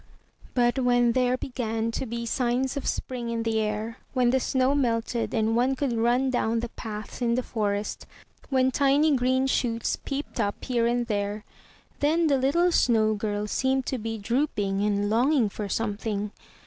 But when there began to be signs of spring in the air, when the snow melted and one could run doWn the paths in the forest, when tiny green shoots peeped up here and there, then the little snow girl seemed to be drooping and longing for something.